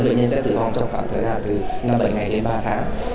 bệnh nhân sẽ tử vong trong khoảng thời gian từ năm bảy ngày đến ba tháng